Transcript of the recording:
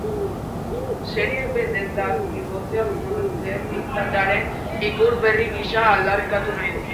Serie b dendak bibotea modernitatearen ikur berri gisa aldarrikatu nahi du.